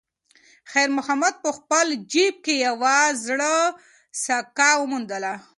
خیر محمد په خپل جېب کې یوه زړه سکه وموندله.